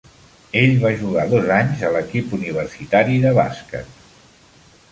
Ell va jugar dos anys a l'equip universitari de basquet.